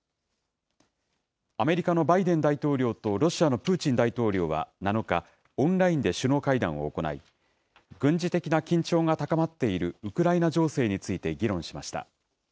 アメリカのバイデン大統領とロシアのプーチン大統領は７日、オンラインで首脳会談を行い、軍事的な緊張が高まっているウクライナ情勢について議論しました。